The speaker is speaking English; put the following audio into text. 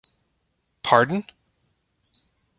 Pardon?